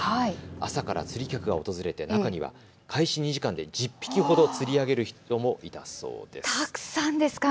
朝から釣り客が訪れて中には開始２時間で１０匹ほど釣り上げる人もいたそうです。